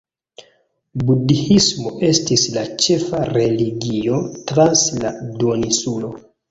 Budhismo estis la ĉefa religio trans la duoninsulo.